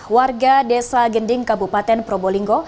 warga desa gending kabupaten probolinggo